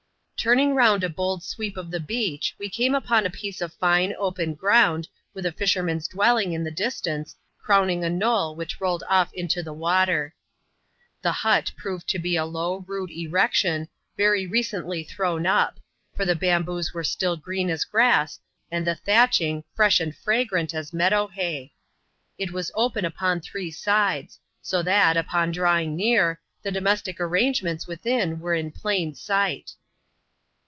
Turning round a bold sweep of the beach, we came upon a piece of flne, open ground, with a fisherman's dwelling in the distance, crowning a knoll which rolled off into the water. The hut proved to be a low, rude erection, very recently thrown up ; for the bamboos were still green as grass, and the thatching, fresh and fragrant as meadow hay. It was open upon three sides; so that, upon drawing near, the domestic arrangements within were in plain sight.